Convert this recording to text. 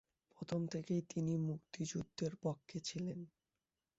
প্রথম থেকেই তিনি মুক্তিযোদ্ধাদের পক্ষে ছিলেন।